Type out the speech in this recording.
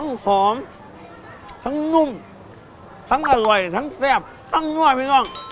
ทั้งหอมทั้งนุ่มทั้งอร่อยทั้งเซ็บทั้งน่อยพี่น้อง